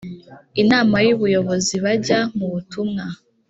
Inama y Ubuyobozi bajya mu butumwa